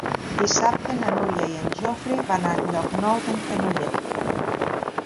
Dissabte na Núria i en Jofre van a Llocnou d'en Fenollet.